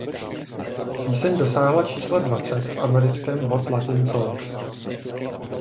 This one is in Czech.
Píseň dosáhla čísla dvacet v americkém Hot Latin Songs.